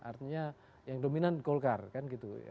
artinya yang dominan gold card kan gitu